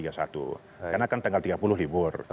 karena kan tanggal tiga puluh libur